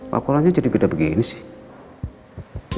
laporannya jadi beda begini sih